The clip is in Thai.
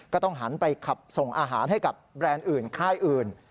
ก็ต้องหันไปขับส่งอาหารให้กับแบรนด์อื่นค่ายอื่น